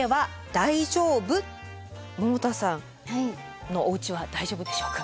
百田さんのおうちは大丈夫でしょうか？